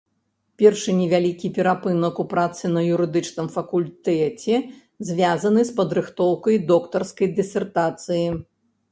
Першы невялікі перапынак у працы на юрыдычным факультэце звязаны з падрыхтоўкай доктарскай дысертацыі.